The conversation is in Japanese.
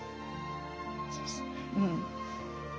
うん。